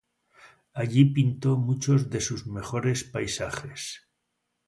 Allí pintó muchos de sus mejores paisajes.